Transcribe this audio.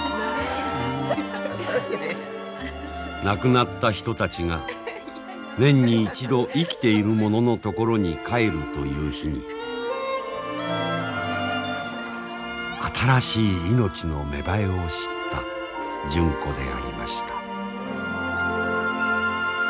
亡くなった人たちが年に一度生きている者の所に帰るという日に新しい命の芽生えを知った純子でありました。